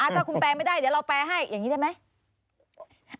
ถ้าคุณแปลไม่ได้เดี๋ยวเราแปลให้อย่างนี้ได้ไหม